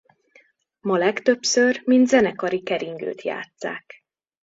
Ma legtöbbször mint zenekari keringőt játsszák.